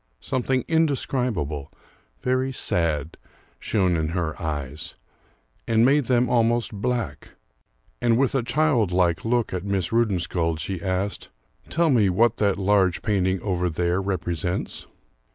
Something indescribable, very sad, shone in her eyes, and made them almost black; and with a childlike look at Miss Rudensköld she asked, "Tell me what that large painting over there represents."